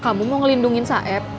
kamu mau ngelindungin saeb